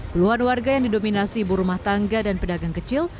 keluarga yang didominasi ibu rumah tangga dan pedagang kecil